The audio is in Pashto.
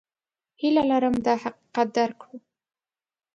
هیله لرم دا حقیقت درک کړو.